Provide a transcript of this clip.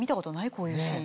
こういうシーン。